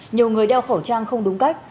nhiều người đeo khẩu trang không đúng cách